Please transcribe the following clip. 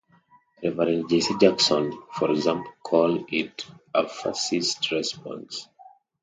Reverend Jesse Jackson, for example, called it a fascist's response.